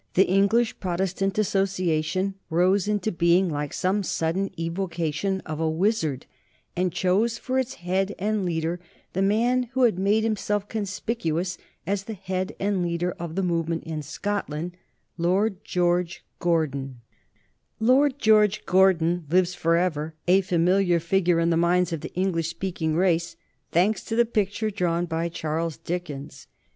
The English Protestant Association rose into being like some sudden evocation of a wizard, and chose for its head and leader the man who had made himself conspicuous as the head and leader of the movement in Scotland Lord George Gordon. [Sidenote: 1750 80 Lord George Gordon] Lord George Gordon lives forever, a familiar figure in the minds of the English speaking race, thanks to the picture drawn by Charles Dickens.